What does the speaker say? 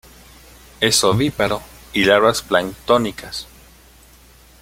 Es ovíparo y larvas planctónicas.